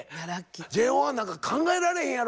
ＪＯ１なんか考えられへんやろ？